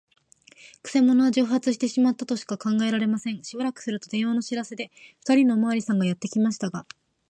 くせ者は蒸発してしまったとしか考えられません。しばらくすると、電話の知らせで、ふたりのおまわりさんがやってきましたが、